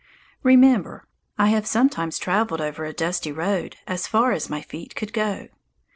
Remember, I have sometimes travelled over a dusty road as far as my feet could go.